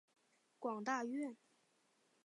广大院。